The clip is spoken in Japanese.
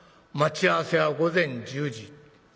待ち合わせは午前１０時。